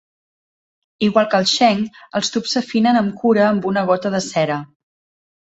Igual que el sheng, els tubs s'afinen amb cura amb una gota de cera.